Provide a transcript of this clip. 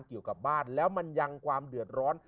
เกี่ยวกับบ้านแล้วมันยังความเดือดร้อน